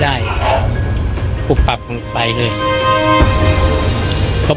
วันนี้แม่ช่วยเงินมากกว่า